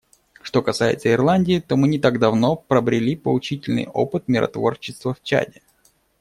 Что касается Ирландии, то мы не так давно пробрели поучительный опыт миротворчества в Чаде.